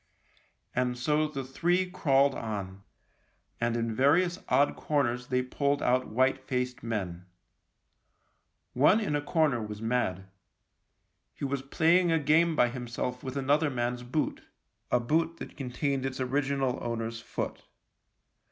And so the three crawled on, and in various odd corners they pulled out white faced men. One in a corner was mad. He was playing a game by himself with another man's boot — a boot that contained its original owner's foot.